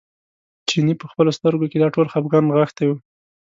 چیني په خپلو سترګو کې دا ټول خپګان نغښتی و.